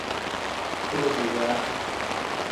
چھیلے دُجار